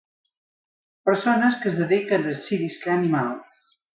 Persones que es dediquen a ensinistrar animals.